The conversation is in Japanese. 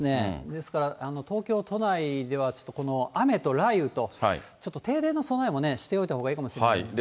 ですから、東京都内ではちょっと雨と雷雨と、ちょっと停電の備えもしておいたほうがいいと思いますね。